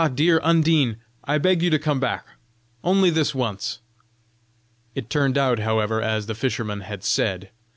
dear Undine, I beg you to come back only this once!" It turned out, however, as the fisherman had said.